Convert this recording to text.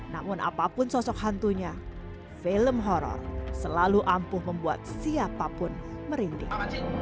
namun apapun sosok hantunya film horror selalu ampuh membuat siapapun merinding